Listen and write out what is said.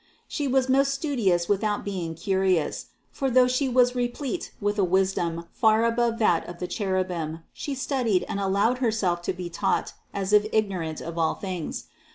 595. She was most studious without being curious; for though She was replete with a wisdom far above that of the cherubim, She studied and allowed Herself to be taught as if ignorant of all things.